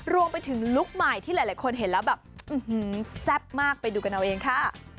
รวมไปถึงลุคใหม่ที่หลายคนเห็นแล้วแบบแซ่บมากไปดูกันเอาเองค่ะ